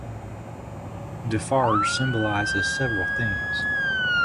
Defarge symbolizes several themes.